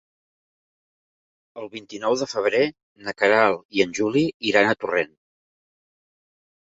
El vint-i-nou de febrer na Queralt i en Juli iran a Torrent.